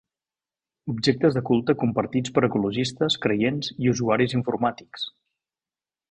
Objectes de culte compartits per ecologistes, creients i usuaris informàtics.